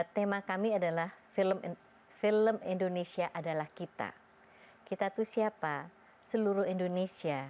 tema kami adalah film indonesia adalah kita kita itu siapa seluruh indonesia